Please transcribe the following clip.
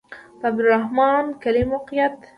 د عبدالرحمن کلی موقعیت